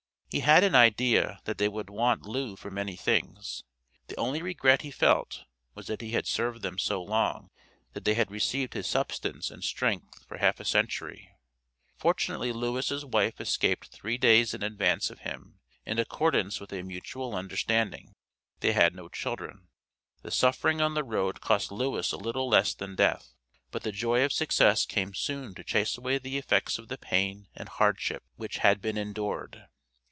He had an idea that they would want Lew for many things; the only regret he felt was that he had served them so long, that they had received his substance and strength for half a century. Fortunately Lewis' wife escaped three days in advance of him, in accordance with a mutual understanding. They had no children. The suffering on the road cost Lewis a little less than death, but the joy of success came soon to chase away the effects of the pain and hardship which had been endured.